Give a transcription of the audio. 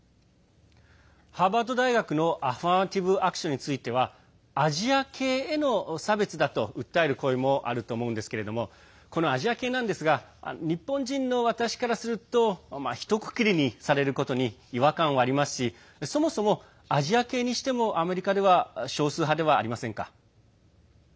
ハーバード大学のアファーマティブ・アクションについてはアジア系への差別だと訴える声もあると思うんですけれどもこのアジア系なんですが日本人の私からするとひとくくりにされることに違和感はありますしそもそもアジア系にしてもアメリカでは少数派ではありませんか。